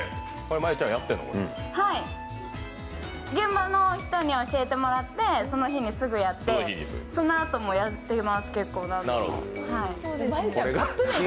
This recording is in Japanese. はい、現場の人に教えてもらって、その日にすぐやってそのあともやっています、結構何回も。